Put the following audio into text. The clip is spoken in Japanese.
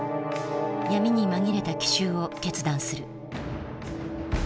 闇に紛れた奇襲を決断する。